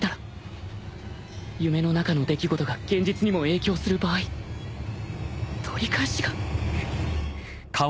夢の中の出来事が現実にも影響する場合取り返しが